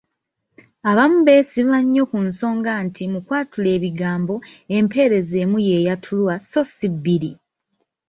Abamu beesiba nnyo ku nsonga nti mu kwatula ebigambo, empeerezi emu y’eyatulwa so ssi bbiri.